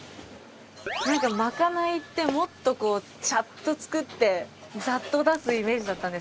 まかないってもっとこうちゃっと作ってざっと出すイメージだったんですけど。